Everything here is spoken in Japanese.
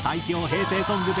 平成ソング